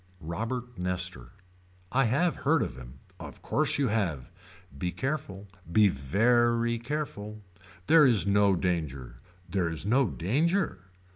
Robert Nestor. I have heard of him. Of course you have. Be careful. Be very careful. There is no danger. There is no danger.